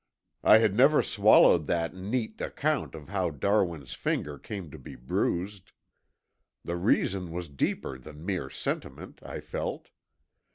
"I had never swallowed that neat account of how Darwin's finger came to be bruised. The reason was deeper than mere sentiment, I felt.